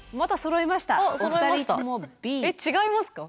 えっ違いますか？